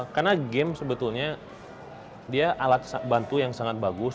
karena game sebetulnya dia alat bantu yang sangat bagus